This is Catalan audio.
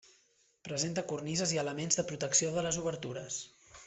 Presenta cornises i elements de protecció de les obertures.